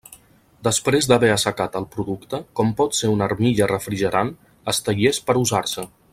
Després d'haver assecat el producte, com pot ser una armilla refrigerant, està llest per usar-se.